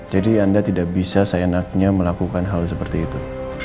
jadi anda tidak bisa sayanaknya melakukan hal seperti itu